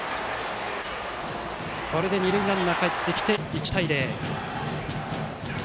これで二塁ランナーがかえってきて１対０。